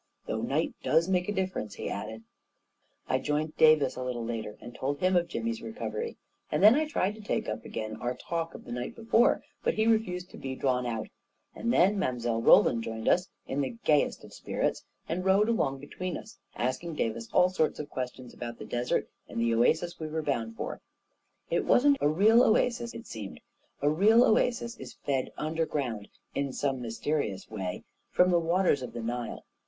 "Though night does make a difference 1 "he added. I joined Davis a little later, and told him of Jimmy's recovery; and then I tried to take up again our talk of the night before; but he refused to be drawn out. And then Mile. Roland joined us, in the gayest of spirits, and rode along between us, asking Davis all sorts of questions about the desert and the oasis we were bound for. 130 A KING IN BABYLON 131 It wasn't a real oasis, it seemed; a real oasis is fed underground, in some mysterious way, from the waters of the Nile.